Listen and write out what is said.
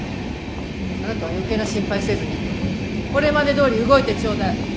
あなたは余計な心配せずにこれまでどおり動いてちょうだい。